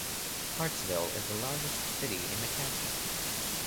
Hartsville is the largest city in the county.